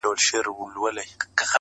ه ژوند نه و، را تېر سومه له هر خواهیسه ,